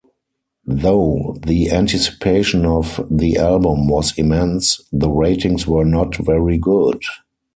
Though the anticipation of the album was immense, the ratings were not very good.